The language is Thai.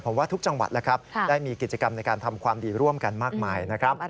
ผมว่าทุกจังหวัดได้มีกิจกรรมในการทำความดีร่วมกันมากมาย